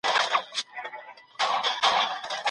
تاریخ د پوهې خزانه ده.